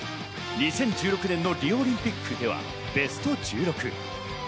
２０１６年のリオオリンピックではベスト１６。